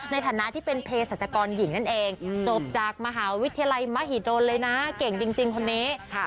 ในฐานะที่เป็นเพศรัชกรหญิงนั่นเองจบจากมหาวิทยาลัยมหิดลเลยนะเก่งจริงคนนี้